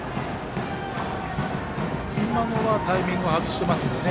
今のはタイミングを外していますのでね。